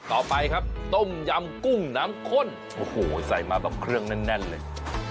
ต่อไปครับต้มยำกุ้งน้ำข้นโอ้โหใส่มาแบบเครื่องแน่นเลย